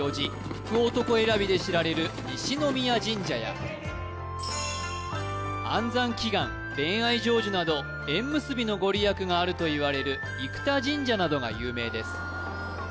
福男選びで知られる西宮神社や安産祈願恋愛成就など縁結びの御利益があるといわれる生田神社などが有名です